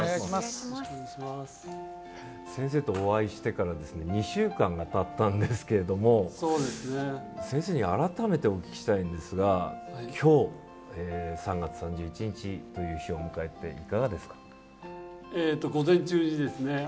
先生とお会いしてから２週間がたったんですけれども先生に改めてお聞きしたいんですがきょう３月３１日という日を迎えていかがですか？